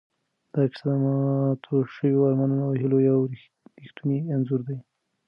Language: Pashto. دا کیسه د ماتو شوو ارمانونو او هیلو یو ریښتونی انځور دی.